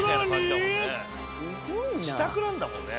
自宅なんだもんね。